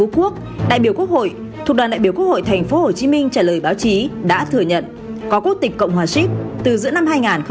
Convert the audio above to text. quốc hội tp hcm trả lời báo chí đã thừa nhận có quốc tịch cộng hòa ship từ giữa năm hai nghìn một mươi tám